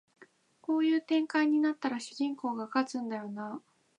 こういう展開になったら主人公が勝つんだよなあ